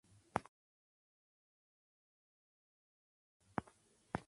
Es muy ambicioso.